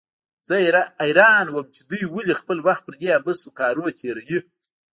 زه حيران وم چې دوى ولې خپل وخت پر دې عبثو کارونو تېروي.